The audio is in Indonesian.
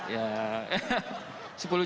ya sepuluh juta boleh